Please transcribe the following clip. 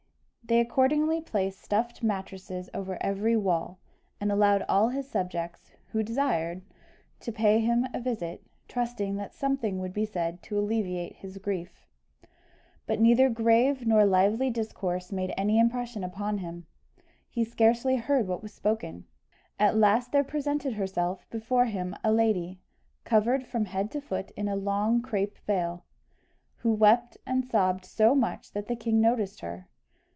They accordingly placed stuffed mattresses over every wall, and allowed all his subjects, who desired, to pay him a visit, trusting that something would be said to alleviate his grief. But neither grave nor lively discourse made any impression upon him; he scarcely heard what was spoken. At last there presented herself before him a lady, covered from head to foot in a long crape veil, who wept and sobbed so much that the king noticed her.